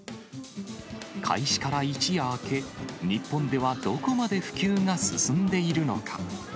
開始から一夜明け、日本ではどこまで普及が進んでいるのか。